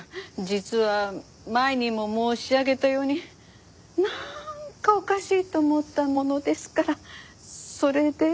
実は前にも申し上げたようになんかおかしいと思ったものですからそれで。